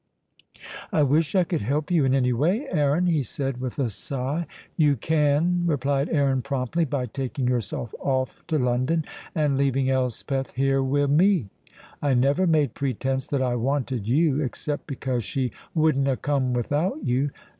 "I wish I could help you in any way, Aaron," he said, with a sigh. "You can," replied Aaron, promptly, "by taking yourself off to London, and leaving Elspeth here wi' me. I never made pretence that I wanted you, except because she wouldna come without you.